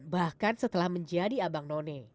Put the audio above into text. bahkan setelah menjadi abang none